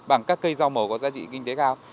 bằng các cây rau màu có giá trị kinh tế cao